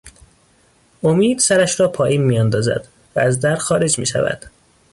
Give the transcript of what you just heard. امید سرش را پائین می اندازد و از در خارج می شود